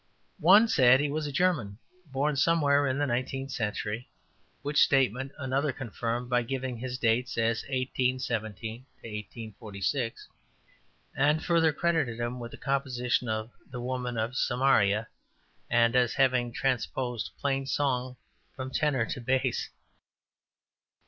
One said he was a German, born somewhere in the nineteenth century, which statement another confirmed by giving his dates as 1817 1846; and, further, credited him with the composition of The Woman of Samaria, and as having transposed plain song from tenor to bass.